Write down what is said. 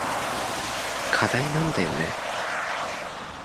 課題なんだよね。